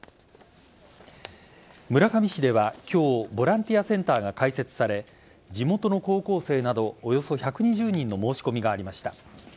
村上市では今日ボランティアセンターが開設され地元の高校生などおよそ１２０人の申し込みがありました。